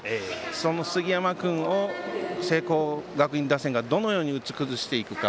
その杉山君を聖光学院打線がどのように打ち崩していくか。